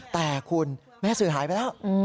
แต่คุณแม่สื่อหายไปแล้ว